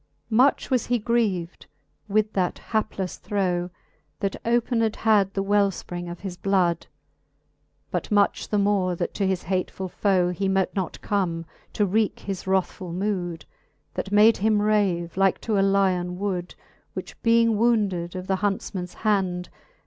XXXV. Much was he grieved with that haplefle throe. That opened had the welfpring of his blood ; But much the more, that to his hatefull foe He mote not come, to wrcake his wrathfull mood. That made him rave, like to a lyon wood. Which being wounded of the huntfman's hand.